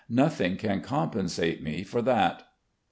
Nothing can compensate me for that.